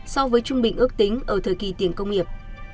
so với trung bình ước tính ở thời kỳ tiền công nghiệp